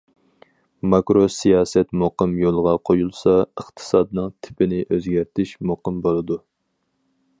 ماكرو سىياسەت مۇقىم يولغا قويۇلسا، ئىقتىسادنىڭ تىپىنى ئۆزگەرتىش مۇقىم بولىدۇ.